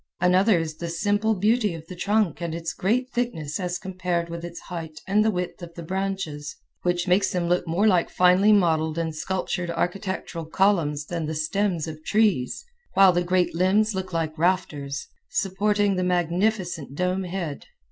Another is the simple beauty of the trunk and its great thickness as compared with its height and the width of the branches, which makes them look more like finely modeled and sculptured architectural columns than the stems of trees, while the great limbs look like rafters, supporting the magnificent dome head.